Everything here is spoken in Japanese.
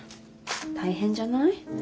大変じゃない？